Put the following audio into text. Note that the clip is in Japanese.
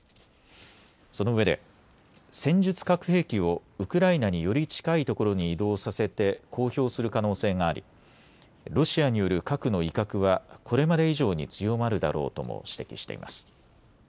そのうえで戦術核兵器をウクライナにより近いところに移動させて公表する可能性がありロシアによる核の威嚇はこれまで以上に強まるだろうとも指摘しています。